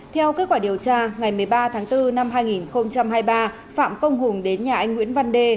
theo kết quả điều tra ngày một mươi ba tháng bốn năm hai nghìn hai mươi ba phạm công hùng đến nhà anh nguyễn văn đê